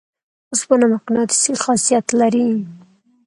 اوسپنه مقناطیسي خاصیت لري.